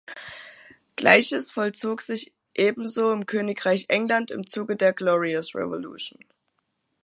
Gleiches vollzog sich ebenso im Königreich England im Zuge der Glorious Revolution.